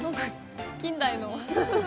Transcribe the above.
近代の。